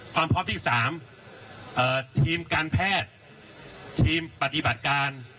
ความพร้อมที่๓ทีมการแพทย์ทีมปฏิบัติการ